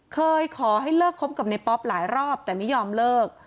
เคยขอให้เลิกคบกับในป๊อปหลายรอบแต่ไม่ยอมเลิก